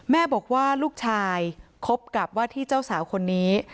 แม่บอกว่าลูกชายคบกับว่าที่เจ้าสาวคนนี้